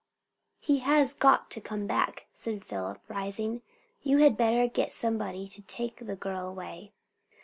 "He has got to come back," said Philip, rising. "You had better get somebody to take the girl away."